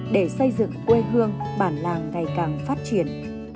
để xây dựng quê hương bản làng ngày càng phát triển